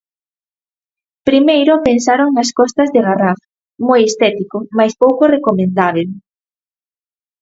Primeiro pensaron nas Costas de Garraf, moi estético, mais pouco recomendábel.